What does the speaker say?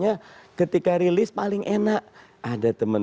nek article bisa sudah wanting to be